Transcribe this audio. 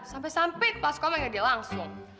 sampai sampai ke pas koma ya dia langsung